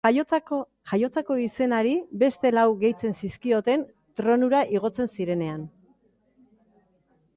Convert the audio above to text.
Jaiotzako izenari beste lau gehitzen zizkioten tronura igotzen zirenean.